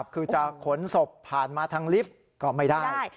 คือจะขนศพผ่านมาทางลิฟต์ก็ไม่ได้